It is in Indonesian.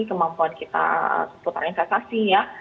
kemampuan kita seputar investasi ya